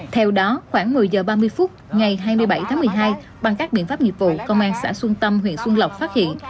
theo đó khoảng một mươi h ba mươi phút ngày hai mươi bảy tháng một mươi hai bằng các biện pháp nghiệp vụ công an xã xuân tâm huyện xuân lộc phát hiện